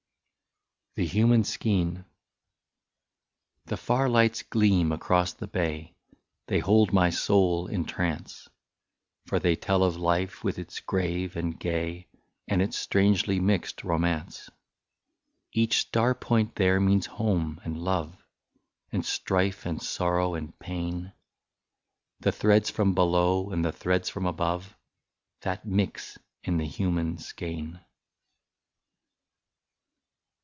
48 THE HUMAN SKEIN. The far lights gleam across the bay, — They hold my soul in trance, For they tell of life with its grave and gay, And its strangely mixed romance. Each star point there means home and love, And strife and sorrow and pain, — The threads from below, and the threads from above, That mix in the human skein.